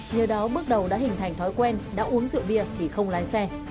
nhờ đó bước đầu đã hình thành thói quen đã uống rượu bia thì không lái xe